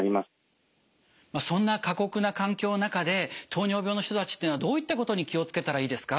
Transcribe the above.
そんな過酷な環境の中で糖尿病の人たちというのはどういったことに気を付けたらいいですか？